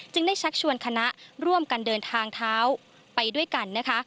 ได้ชักชวนคณะร่วมกันเดินทางเท้าไปด้วยกันนะคะ